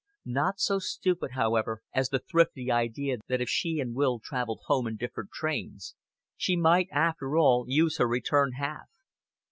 Not so stupid, however, as the thrifty idea that if she and Will traveled home in different trains, she might after all use her return half.